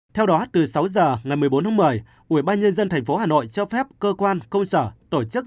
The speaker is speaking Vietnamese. theo đó từ sáu giờ ngày một mươi bốn tháng một mươi ubnd tp hà nội cho phép cơ quan công sở tổ chức